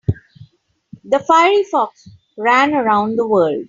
The fiery fox ran around the world.